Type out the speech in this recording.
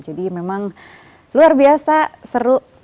jadi memang luar biasa seru